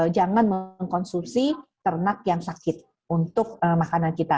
jangan mengkonsumsi ternak yang sakit untuk makanan kita